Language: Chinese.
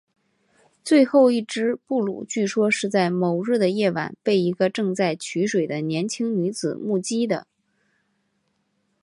最后一只布鲁据说是在某日的夜晚被一个正在取水的年轻女子目击的。